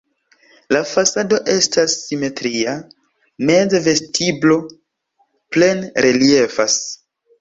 La fasado estas simetria, meze vestiblo plene reliefas.